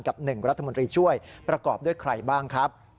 กับ๑รัฐมนตรีช่วยประกอบด้วยใครบ้างครับ